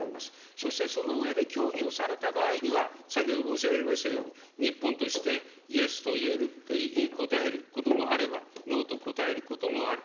そしてその上で協議をされた場合には、先ほど申し上げましたように、日本としてイエスと言える、答えることもあれば、ノーと答えることもある。